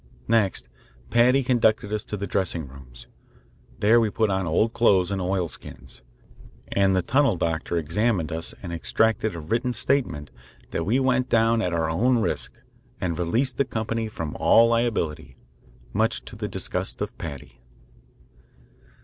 Next Paddy conducted us to the dressing rooms. There we put on old clothes and oilskins, and the tunnel doctor examined us and extracted a written statement that we went down at our own risk and released the company from all liability much to the disgust of Paddy.